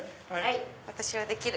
私はできる！